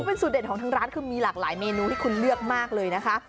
เป็นสูตเด็ดของทางร้านคือมีหลากหลายเมนูให้คุณเลือกมากเลยนะคะ